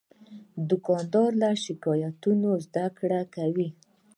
دوکاندار له شکایتونو نه زدهکړه کوي.